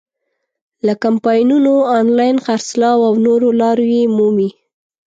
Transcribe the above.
له کمپاینونو، آنلاین خرڅلاو او نورو لارو یې مومي.